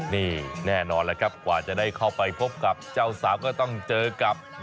นี่แน่นอนแล้วครับกว่าจะได้เข้าไปพบกับเจ้าสาวก็ต้องเจอกับ